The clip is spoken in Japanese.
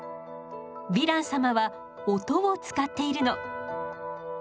ヴィラン様は音を使っているの。